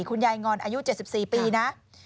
คุณยายงอนอายุเจ็ดสิบสี่ปีนะครับ